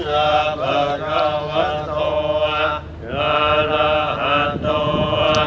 อธินาธาเวระมะนิสิขาเวระมะนิสิขาปะทังสมาธิยามี